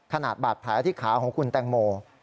ขนาดบาดแผลที่ขาของคุณแตงโม